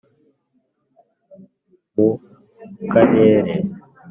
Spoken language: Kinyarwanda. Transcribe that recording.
mu karere